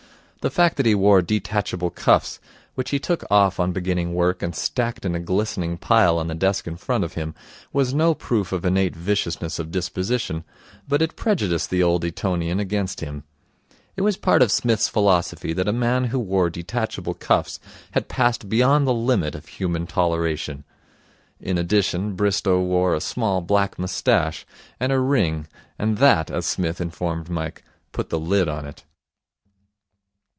The fact that he wore detachable cuffs, which he took off on beginning work and stacked in a glistening pile on the desk in front of him, was no proof of innate viciousness of disposition, but it prejudiced the Old Etonian against him. It was part of Psmith's philosophy that a man who wore detachable cuffs had passed beyond the limit of human toleration. In addition, Bristow wore a small black moustache and a ring and that, as Psmith informed Mike, put the lid on it.